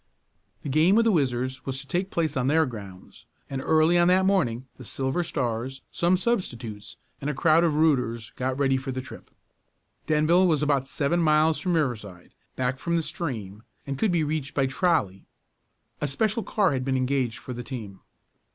The game with the Whizzers was to take place on their grounds, and early on that morning the Silver Stars, some substitutes, and a crowd of "rooters" got ready for the trip. Denville was about seven miles from Riverside, back from the stream, and could be reached by trolley. A special car had been engaged for the team.